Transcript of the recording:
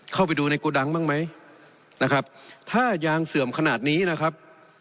เข้าไปดูในโกดังบ้างไหมนะครับถ้ายางเสื่อมขนาดนี้นะครับ